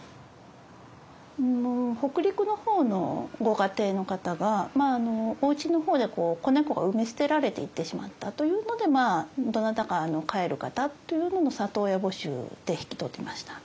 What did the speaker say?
北陸の方のご家庭の方がおうちの方で子猫が産み捨てられていってしまったというのでまあどなたか飼える方という里親募集で引き取りました。